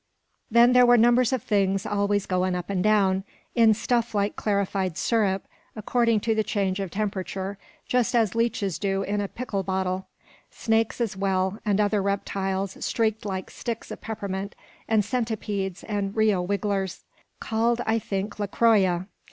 Then there were numbers of things always going up and down, in stuff like clarified syrup, according to the change of temperature, just as leeches do in a pickle bottle. Snakes as well, and other reptiles streaked like sticks of peppermint, and centipedes, and Rio wrigglers, called I think La Croya.